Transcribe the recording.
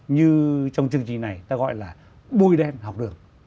như trong chương trình này ta gọi là bôi đen học đường